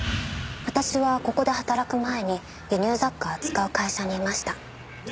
私はここで働く前に輸入雑貨を扱う会社にいました。